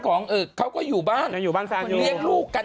เขาก็อยู่บ้านเรียกลูกกัน